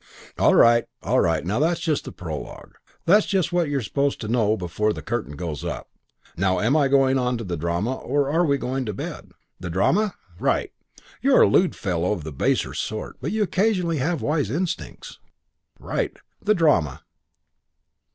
"All right. All right. Now that's just the prologue. That's just what you're supposed to know before the Curtain goes up. Now, am I going on to the drama or are we going to bed.... The drama? Right. You're a lewd fellow of the baser sort, but you occasionally have wise instincts. Right. The drama."